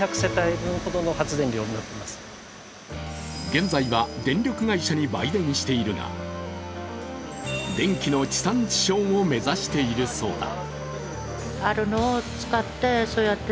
現在は電力会社に売電しているが、電気の地産地消を目指しているそうだ。